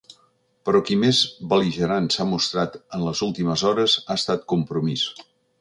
Però qui més bel·ligerant s’ha mostrat en les últimes hores ha estat compromís.